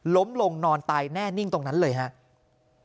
ล้มลงนอนตายแน่นิ่งตรงนั้นเลยครับ